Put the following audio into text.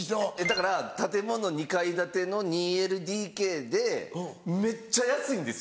だから建物２階建ての２ＬＤＫでめっちゃ安いんですよ。